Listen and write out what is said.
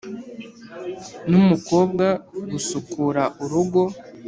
nu mukobwa gusukura urugo,